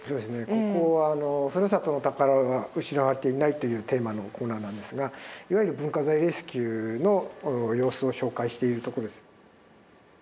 ここは「故郷の宝が失われていない」というテーマのコーナーなんですがいわゆる文化財レスキューの様子を紹介しているとこです。